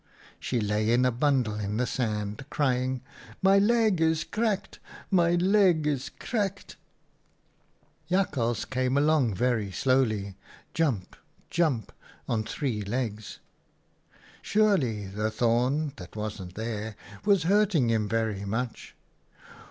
She lay in a bundle in the sand, crying, ' My leg is cracked ! my leg is cracked !'" Jakhals came along very slowly — jump, jump, on three legs. Surely the thorn, that wasn't there, was hurting him very much